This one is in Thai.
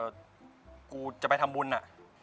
เออกูจะไปทำบุญอะ